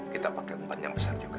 kita pakai tempat yang besar juga